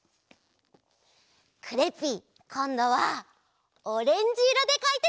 クレッピーこんどはオレンジいろでかいてみる！